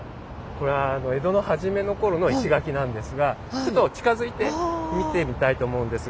これは江戸の初めの頃の石垣なんですがちょっと近づいて見てみたいと思うんですが。